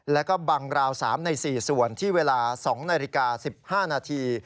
แล้วก็บังราว๓ใน๔ส่วนที่เวลา๒นาฬิกา๑๕นาที